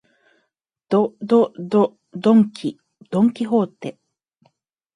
ど、ど、ど、ドンキ、ドンキホーテ